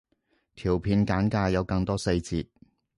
條片簡介有更多細節